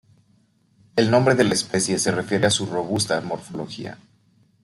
El nombre de la especie se refiere a su robusta morfología.